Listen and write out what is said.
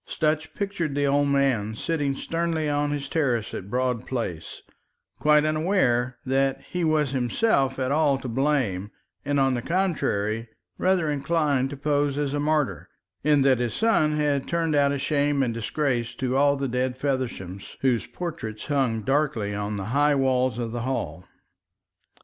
Sutch pictured the old man sitting sternly on his terrace at Broad Place, quite unaware that he was himself at all to blame, and on the contrary, rather inclined to pose as a martyr, in that his son had turned out a shame and disgrace to all the dead Fevershams whose portraits hung darkly on the high walls of the hall.